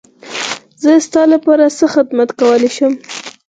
زه ستا لپاره څه خدمت کولی شم.